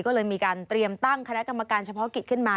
ก็เลยมีการเตรียมตั้งคณะกรรมการเฉพาะกิจขึ้นมา